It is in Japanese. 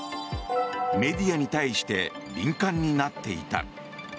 メディアに対して敏感になっていた。